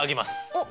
おっ。